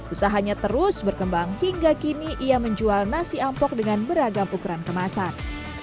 usahanya terus berkembang hingga kini ia menjual nasi ampok dengan beragam ukuran kemasan